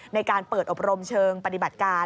ในการเปิดอบรมเชิงปฏิบัติการ